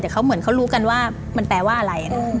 แต่เขาเหมือนเขารู้กันว่ามันแปลว่าอะไรนะ